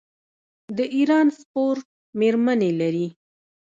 د ایران سپورټ میرمنې لري.